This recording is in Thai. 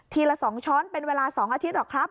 ละ๒ช้อนเป็นเวลา๒อาทิตยหรอกครับ